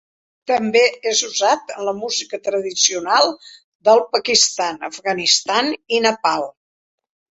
També és usat en la música tradicional del Pakistan, Afganistan i Nepal.